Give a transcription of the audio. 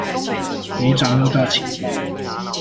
沒掌握到情報